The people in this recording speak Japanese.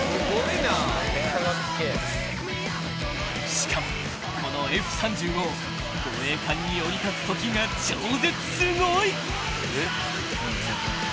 ［しかもこのＦ−３５護衛艦に降り立つときが超絶すごい］